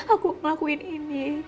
aku ngelakuin ini